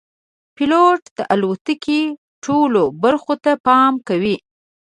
پیلوټ د الوتکې ټولو برخو ته پام کوي.